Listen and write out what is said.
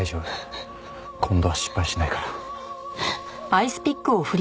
今度は失敗しないから。